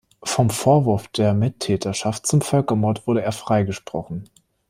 Vom Vorwurf der Mittäterschaft zum Völkermord wurde er freigesprochen.